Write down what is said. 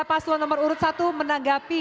paslon nomor urut satu menanggapi